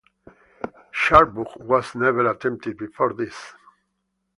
Chaturbhuj was never attempted before this.